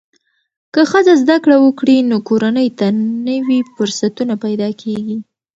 که ښځه زده کړه وکړي، نو کورنۍ ته نوې فرصتونه پیدا کېږي.